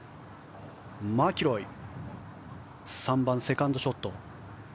マキロイの３番、セカンドショット。